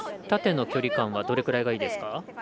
縦の距離感はどれぐらいがいいですか。